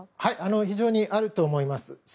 非常にあると思います。